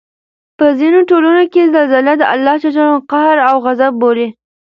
په ځینو ټولنو کې زلزله د الله ج قهر او غصب بولي